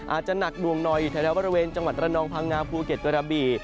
อาจจะหนักดวงหน่อยอยู่แถวบริเวณจังหวัดระนองพังงาภูเก็ตกระบี่